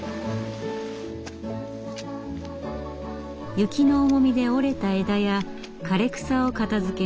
雪の重みで折れた枝や枯れ草を片づけます。